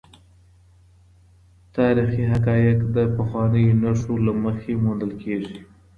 تاریخي حقایق د پخوانیو نښو له مخې موندل کیږي.